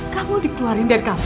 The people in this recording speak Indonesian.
kamu dikeluarin dari kampus